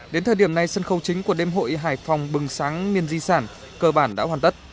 đến thời điểm này sân khấu chính của đêm hội hải phòng bừng sáng miên di sản cơ bản đã hoàn tất